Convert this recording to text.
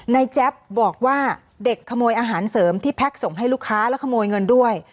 แจ๊บบอกว่าเด็กขโมยอาหารเสริมที่แพ็คส่งให้ลูกค้าแล้วขโมยเงินด้วย